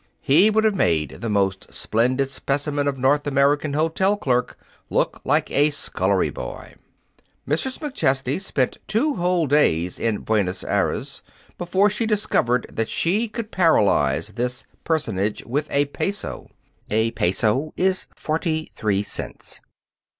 He would have made the most splendid specimen of North American hotel clerk look like a scullery boy. Mrs. McChesney spent two whole days in Buenos Aires before she discovered that she could paralyze this personage with a peso. A peso is forty three cents.